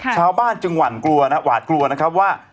ชาวบ้านจึงหว่าดกลัวนะครับว่า